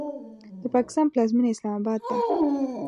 د پاکستان پلازمینه اسلام آباد ده.